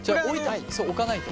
そう置かないと。